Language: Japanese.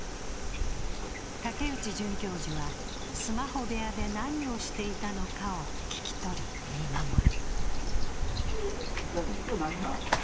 竹内准教授は、スマホ部屋で何をしていたのかを聞き取り見守る。